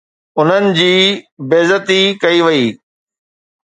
انهن جي بي عزتي ڪئي وئي